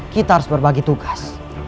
kita harus berbagi tugas